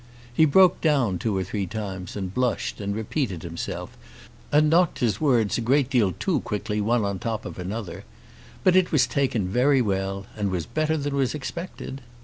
He broke down two or three times and blushed, and repeated himself, and knocked his words a great deal too quickly one on the top of another. But it was taken very well, and was better than was expected.